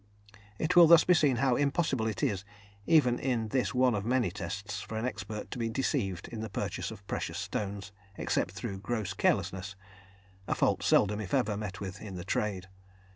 It will thus be seen how impossible it is, even in this one of many tests, for an expert to be deceived in the purchase of precious stones, except through gross carelessness a fault seldom, if ever, met with in the trade.